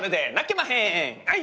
はい！